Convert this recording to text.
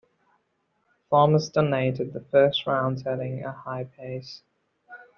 Thomas dominated the first round, setting a high pace.